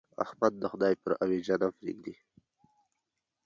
احمد د خدای پر اوېجه نه پرېږدي.